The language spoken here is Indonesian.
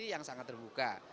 yang sangat terbuka